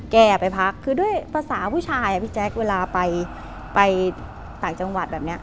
แกไปพักคือด้วยภาษาผู้ชายอ่ะพี่แจ๊คเวลาไปต่างจังหวัดแบบนี้